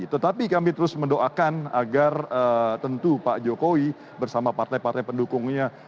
tetapi kami terus mendoakan agar tentu pak jokowi bersama partai partai pendukungnya